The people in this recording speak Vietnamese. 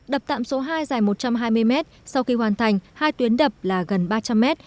đập tạm số hai dài một trăm hai mươi mét sau khi hoàn thành hai tuyến đập là gần ba trăm linh mét